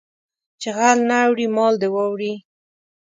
چې غل نه اوړي مال دې واوړي